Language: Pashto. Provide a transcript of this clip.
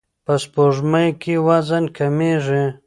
په سپوږمۍ کې وزن کمیږي.